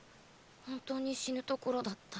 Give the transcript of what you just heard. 本当に死ぬところだった。